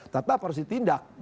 tetap harus ditindak